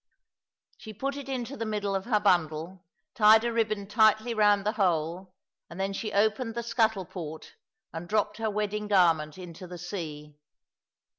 She put it into the middle of her bundle, tied a ribbon tightly round the whole, and then she opened the scuttle port and dropped her wedding garment into the sea.